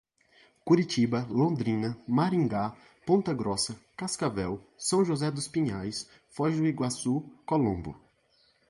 Curitiba, Londrina, Maringá, Ponta Grossa, Cascavel, São José dos Pinhais, Foz do Iguaçu, Colombo